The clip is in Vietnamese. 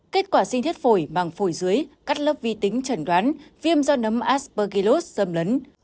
kết quả xin thiết phổi bằng phổi dưới cắt lớp vi tính trần đoán viêm do nấm aspergillus dâm lấn